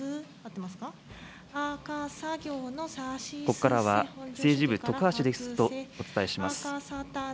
ここからは政治部、徳橋デスクとお伝えします。